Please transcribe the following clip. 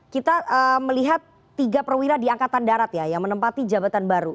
kita melihat tiga perwira di angkatan darat ya yang menempati jabatan baru